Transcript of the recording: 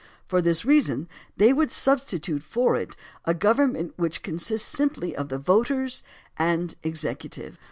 For this reason they would substitute for it a government which consists simply of the voters and executive.